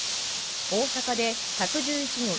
大阪で１１１人